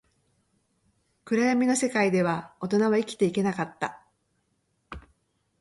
暗闇の世界では、大人は生きていけなかった